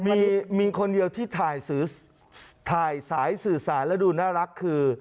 มีคนเดียวที่ถ่ายสายสื่อสารแล้วดูน่ารักคือ